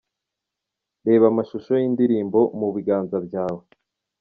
Reba amashusho y'indirimbo 'Mu biganza byawe'.